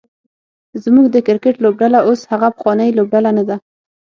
زمونږ د کرکټ لوبډله اوس هغه پخوانۍ لوبډله نده